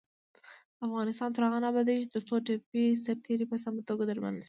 افغانستان تر هغو نه ابادیږي، ترڅو ټپي سرتیري په سمه توګه درملنه نشي.